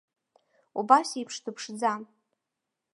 Убас еиԥш дыԥшӡан.